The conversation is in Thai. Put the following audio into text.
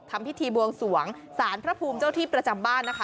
ทำพิธีบวงสวงสารพระภูมิเจ้าที่ประจำบ้านนะคะ